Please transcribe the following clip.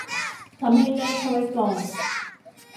ทำให้ง่ายเข้าไว้ก่อน